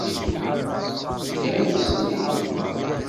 Tamusni.